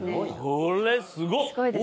これすごっ！